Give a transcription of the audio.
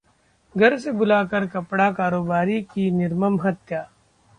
घर से बुलाकर कपड़ा कारोबारी की निर्मम हत्या